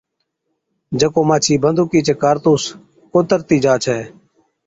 جڪو مانڇي بندُوقِي چي ڪارتُوس ڪُترتِي جا ڇَي۔